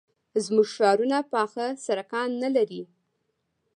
زموږ ښارونه پاخه سړکان نه لري.